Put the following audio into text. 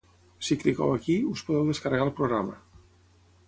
Si cliqueu aquí, us podeu descarregar el programa.